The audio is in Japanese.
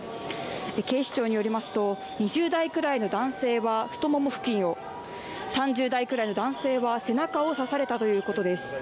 警視庁によりますと、２０代ぐらいの男性は太もも付近を３０代くらいの男性は背中を刺されたということです。